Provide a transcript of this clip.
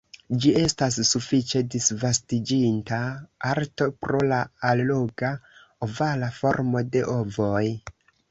Ĝi estas sufiĉe disvastiĝinta arto pro la alloga, ovala formo de ovoj.